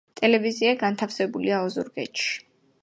ტელევიზია განთავსებულია ოზურგეთში.